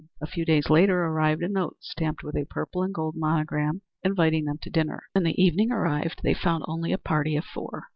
A few days later arrived a note stamped with a purple and gold monogram inviting them to dinner. When the evening arrived they found only a party of four.